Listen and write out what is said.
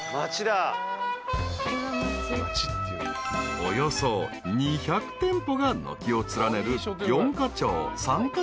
［およそ２００店舗が軒を連ねる］